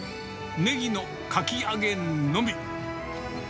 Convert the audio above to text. ねぎのかき揚げのみ。